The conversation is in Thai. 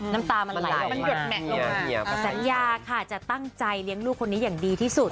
น้ำตามันไหลมันหยดแหมะลงมาสัญญาค่ะจะตั้งใจเลี้ยงลูกคนนี้อย่างดีที่สุด